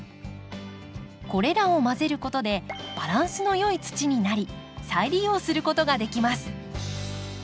これらを混ぜることでバランスの良い土になり再利用することができます。